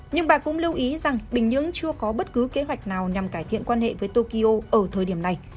nhưng bà cũng lưu ý rằng bình nhưỡng chưa có bất cứ kế hoạch nào nhằm cải thiện quan hệ với tokyo ở thời điểm này